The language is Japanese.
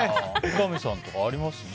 三上さんとかあります？